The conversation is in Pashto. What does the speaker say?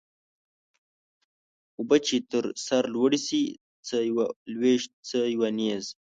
اوبه چې تر سر لوړي سي څه يوه لويشت څه يو نيزه.